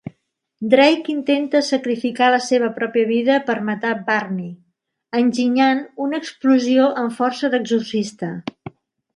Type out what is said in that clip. Drake intenta sacrificar la seva pròpia vida per matar Varnae, enginyant una explosió amb força d'exorcista.